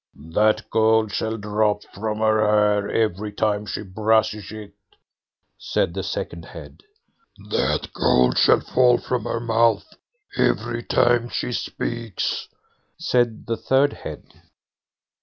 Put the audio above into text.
"That gold shall drop from her hair, every time she brushes it", said the second head. "That gold shall fall from her mouth every time she speaks", said the third head.